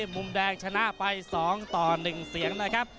มุมแดงชนะไป๒ต่อ๑เสียงนะครับ